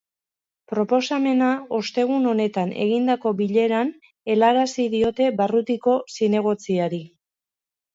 Proposamena ostegun honetan egindako bileran helarazi diote barrutiko zinegotziari.